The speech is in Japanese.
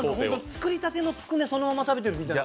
作りたてのつくねそのまま食べてるみたいな。